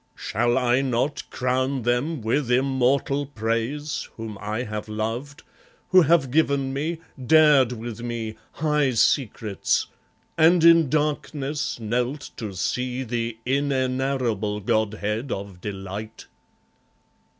Shall I not crown them with immortal praise Whom I have loved, who have given me, dared with me High secrets, and in darkness knelt to see The inenarrable godhead of delight?